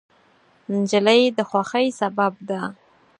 نجلۍ د خوښۍ سبب ده.